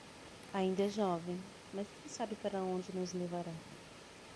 Ainda é jovem, mas quem sabe para onde nos levará.